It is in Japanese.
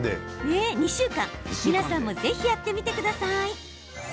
皆さんもぜひ、やってみてください。